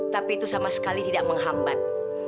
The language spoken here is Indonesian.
tapi itu sama sekali tidak menghambat